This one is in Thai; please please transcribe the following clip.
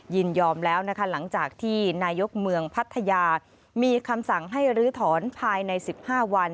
ยินยอมแล้วนะคะหลังจากที่นายกเมืองพัทยามีคำสั่งให้ลื้อถอนภายใน๑๕วัน